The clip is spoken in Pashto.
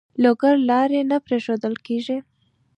لرګو لارۍ نه پرېښوول کېږي.